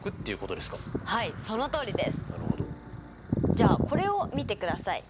じゃあこれを見てください。